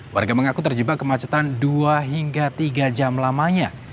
warga mengaku terjebak kemacetan dua hingga tiga jam lamanya